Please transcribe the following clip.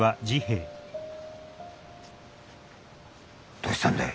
どうしたんだい？